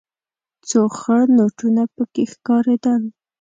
څو خړ نوټونه پکې ښکارېدل.